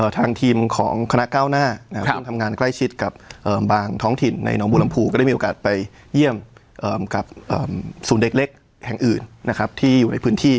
ทางทีมของคณะก้าวหน้าซึ่งทำงานใกล้ชิดกับบางท้องถิ่นในน้องบูรมภูก็ได้มีโอกาสไปเยี่ยมกับศูนย์เด็กเล็กแห่งอื่นนะครับที่อยู่ในพื้นที่